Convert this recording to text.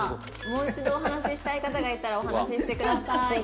「もう一度お話ししたい方がいたらお話ししてください」